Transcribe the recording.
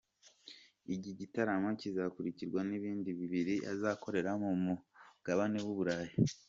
Iki gitaramo kizakurikirwa n’ibindi bibiri azakora ku Mugabane w’u Burayi.